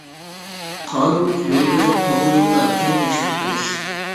قانۇنلۇق يول بىلەن توغرا يولدا كەڭ تەشۋىق قىلىش.